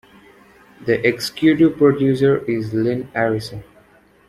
The Executive Producer is Lin Arison.